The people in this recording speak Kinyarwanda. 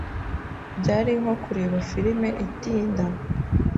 Byari nko kureba firime itinda.